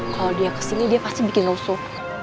kalau dia kesini dia pasti bikin rusuh